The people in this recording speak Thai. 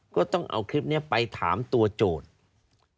ก็ต้องเอาคลิปนี้ไปถามตัวโจทย์